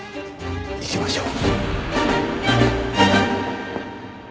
行きましょう。